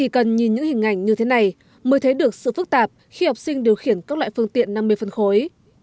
cần nhìn những hình ảnh như thế này mới thấy được sự phức tạp khi học sinh điều khiển các loại phương tiện năm mươi phân khối